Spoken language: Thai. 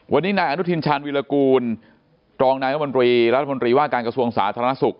วันนี้นายอนุทินชาญวิรากูลรองนายรัฐมนตรีรัฐมนตรีว่าการกระทรวงสาธารณสุข